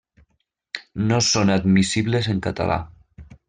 No són admissibles en català.